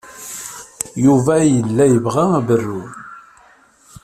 Yuba yella yebɣa aberru.